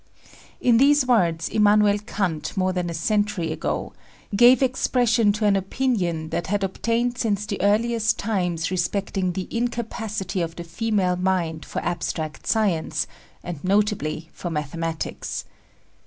In these words Immanuel Kant, more than a century ago, gave expression to an opinion that had obtained since the earliest times respecting the incapacity of the female mind for abstract science, and notably for mathematics.